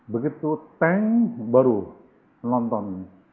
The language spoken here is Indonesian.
begitu teng baru menonton